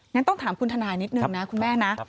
งั้นต้องถามคุณทนายนิดนึงนะคุณแม่นะ